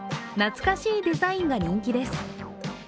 懐かしいデザインが人気です。